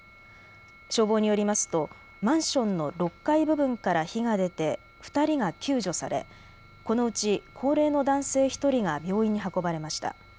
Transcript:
消防によりますとマンションの６階部分から火が出て２人が救助され、このうち高齢の男性１人が病院に運ばれました。